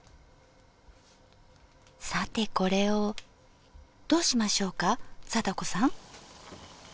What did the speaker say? さてこれをどうしましょうか貞子さん。